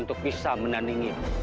untuk bisa menandingi